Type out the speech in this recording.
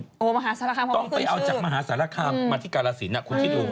โอ้มหาสารคามเขามีชื่อชื่อต้องไปเอาจากมหาสารคามมาที่กาลสินคุณคิดดู